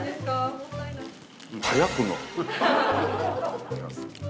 いただきます。